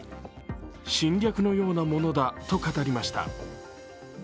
侵略のようなものだと語りました。